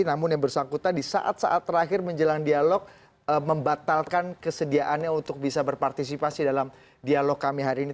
namun yang bersangkutan di saat saat terakhir menjelang dialog membatalkan kesediaannya untuk bisa berpartisipasi dalam dialog kami hari ini